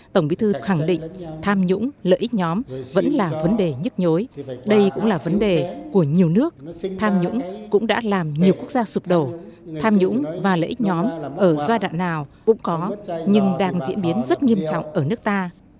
tổng bí thư khẳng định tham nhũng lợi ích nhóm vẫn là vấn đề nhức nhối đây cũng là vấn đề của nhiều nước tham nhũng cũng đã làm nhiều quốc gia sụp đổ tham nhũng và lợi ích nhóm ở giai đoạn nào cũng có nhưng đang diễn biến rất nghiêm trọng ở nước ta